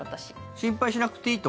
心配しなくていいと。